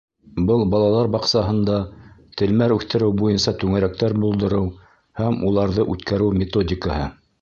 Был балалар баҡсаһында телмәр үҫтереү буйынса түңәрәктәр булдырыу һәм уларҙы үткәреү методикаһы.